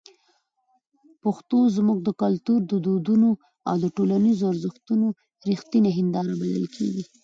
پښتو زموږ د کلتور، دودونو او ټولنیزو ارزښتونو رښتینې هنداره بلل کېږي.